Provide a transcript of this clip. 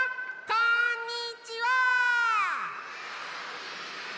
こんにちは！